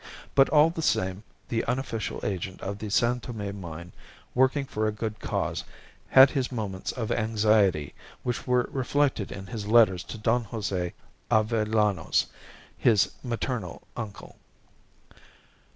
But all the same, the unofficial agent of the San Tome mine, working for a good cause, had his moments of anxiety, which were reflected in his letters to Don Jose Avellanos, his maternal uncle.